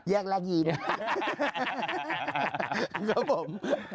แยกแลกยิ้ม